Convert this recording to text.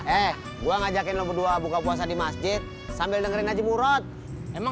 eh gua ngajakin lu berdua buka puasa di masjid sambil dengerin aja murad emang